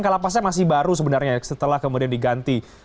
kalapasnya masih baru sebenarnya setelah kemudian diganti